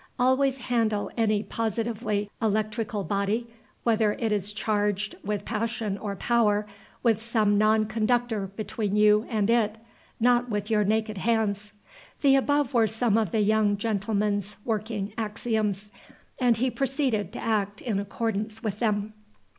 Always handle any positively electrical body, whether it is charged with passion or power, with some non conductor between you and it, not with your naked hands. The above were some of the young gentleman's working axioms; and he proceeded to act in accordance with them.